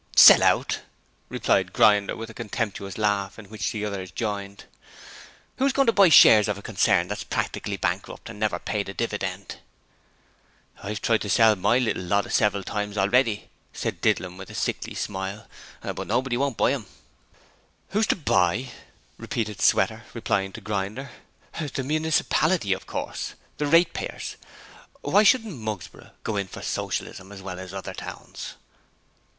'Sell out!' replied Grinder with a contemptuous laugh in which the others joined. 'Who's going to buy the shares of a concern that's practically bankrupt and never paid a dividend?' 'I've tried to sell my little lot several times already,' said Didlum with a sickly smile, 'but nobody won't buy 'em.' 'Who's to buy?' repeated Sweater, replying to Grinder. 'The municipality of course! The ratepayers. Why shouldn't Mugsborough go in for Socialism as well as other towns?'